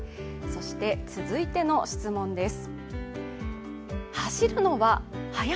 続いての質問です。